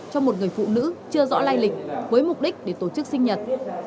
cho một người phụ nữ chưa rõ lai lịch với mục đích để tổ chức sinh nhật